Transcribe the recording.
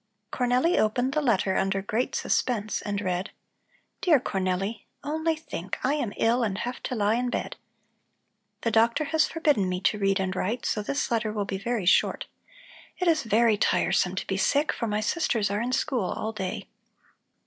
Cornelli opened the letter under great suspense and read: DEAR CORNELLI: Only think! I am ill and have to lie in bed. The doctor has forbidden me to read and write, so this letter will be very short. It is very tiresome to be sick, for my sisters are in school all day.